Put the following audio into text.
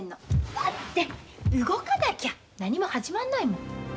だって動かなきゃ何も始まんないもん。